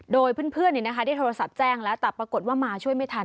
โดยเพื่อนได้โทรศัพท์แจ้งแล้วแต่ปรากฏว่ามาช่วยไม่ทัน